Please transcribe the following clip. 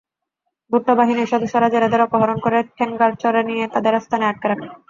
ভুট্টো বাহিনীর সদস্যরা জেলেদের অপহরণ করে ঠেংগারচরে নিয়ে তাদের আস্তানায় আটকে রাখে।